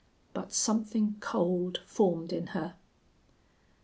But something cold formed in her.